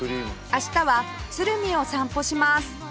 明日は鶴見を散歩します